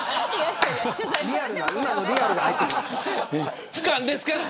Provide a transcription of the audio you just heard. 今のリアルが入ってきますから。